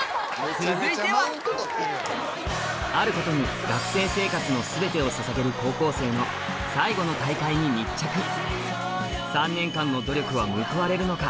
続いてはあることに学生生活の全てをささげる高校生の最後の大会に密着３年間の努力は報われるのか？